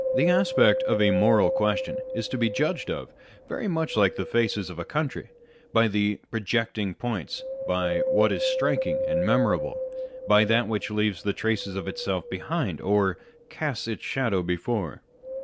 The aspect of a moral question is to be judged of very much like the face of a country, by the projecting points, by what is striking and memorable, by that which leaves traces of itself behind, or " casts its shadows before."